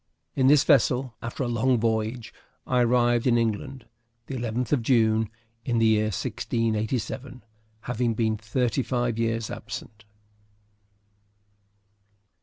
In this vessel, after a long voyage, I arrived in England the 11th of June, in the year 1687, having been thirty five years absent.